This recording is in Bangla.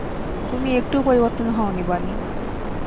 তুমি একটুও পরিবর্তন হও নি, বানি।